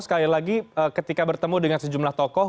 sekali lagi ketika bertemu dengan sejumlah tokoh